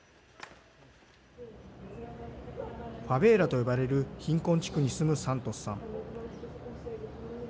ファベーラと呼ばれる貧困地区に住むサントスさん。